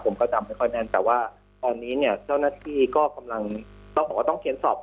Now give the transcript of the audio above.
ผมก็จำไม่ค่อยแน่นแต่ว่าตอนนี้เจ้าหน้าที่ก็ต้องเขียนสอบต่อ